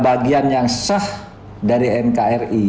bagian yang sah dari nkri